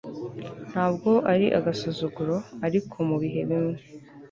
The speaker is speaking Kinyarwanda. ntabwo ari agasuzuguro, ariko mubihe bimwe